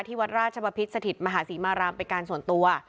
วัดราชบพิษสถิตมหาศรีมารามเป็นการส่วนตัว